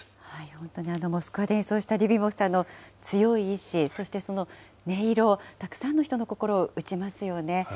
本当にモスクワで演奏したリュビモフさんの強い意志、そしてその音色、たくさんの人の心を打ちますよね。